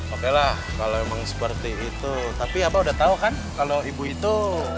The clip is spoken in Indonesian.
oke lah kalau emang seperti itu tapi ya abah udah tahu kan kalau ibu itu